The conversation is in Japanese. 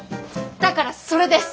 だからそれです！